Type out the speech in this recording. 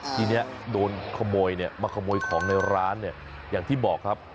ทีนี้โดนขโมยมาขโมยของในร้านอย่างที่บอกครับ